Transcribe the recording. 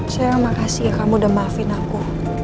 sayang makasih ya kamu udah maafin aku